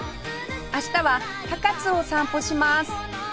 明日は高津を散歩します